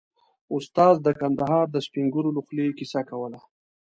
استاد د کندهار د سپين ږيرو له خولې کيسه کوله.